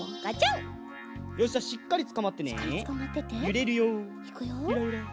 ゆらゆら。